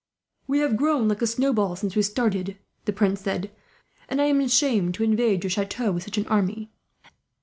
"We have grown like a snowball, since we started," the prince said; "and I am ashamed to invade your chateau with such an army."